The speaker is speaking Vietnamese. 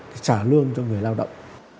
trả lương cho người lao động